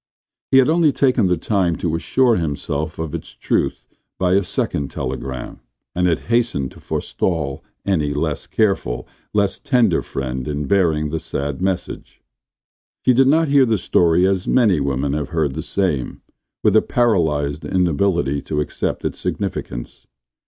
He had only taken the time to assure himself of its truth by a second telegram, and had hastened to forestall any less careful, less tender friend in bearing the sad message. She did not hear the story as many women have heard the same, with a paralyzed inability to accept its significance.